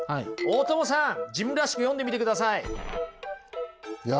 大友さん自分らしく読んでみてください。